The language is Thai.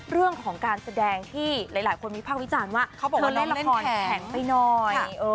เรื่องของการแสดงที่หลายคนมีพากวิจารณ์ว่าเล่นละครแข็งไปหน่อย